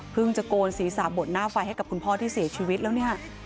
จะโกนศีรษะบดหน้าไฟให้กับคุณพ่อที่เสียชีวิตแล้วเนี่ย